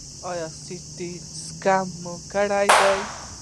ایا سټي سکن مو کړی دی؟